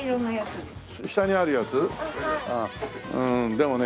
でもね